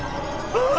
ああ！